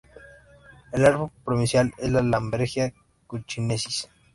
El árbol provincial es la "Dalbergia cochinchinensis".